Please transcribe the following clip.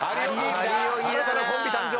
新たなコンビ誕生。